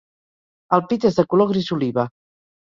El pit és de color gris oliva.